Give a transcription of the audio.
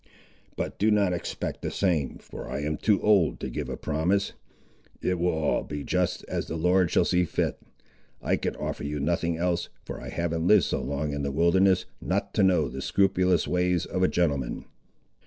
But do not expect the same, for I am too old to give a promise! It will all be just as the Lord shall see fit. I can offer you nothing else, for I haven't liv'd so long in the wilderness, not to know the scrupulous ways of a gentleman."